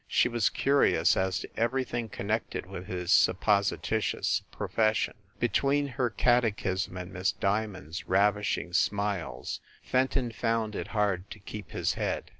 She was curious as to everything connected with his supposititious profession. Between her catechism and Miss Diamond s ravishing smiles Fenton found it hard to keep his head.